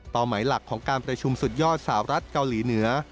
หมายหลักของการประชุมสุดยอดสาวรัฐเกาหลีเหนือ